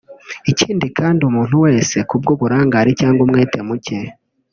Ikindi kandi umuntu wese ku bw’uburangare cyangwa umwete muke